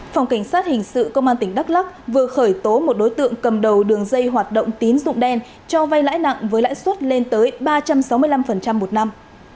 phòng cảnh sát hình sự công an tỉnh đắk lắc vừa khởi tố một đối tượng cầm đầu đường dây hoạt động tín dụng đen cho vay lãi nặng với lãi suất lên tới ba trăm sáu mươi năm một năm